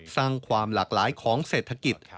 สร้างความหลากหลายของเศรษฐกิจ